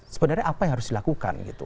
sebenarnya apa yang harus dilakukan gitu